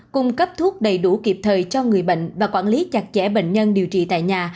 cung cấp thuốc đầy đủ kịp thời cho người bệnh và quản lý chặt chẽ bệnh nhân điều trị tại nhà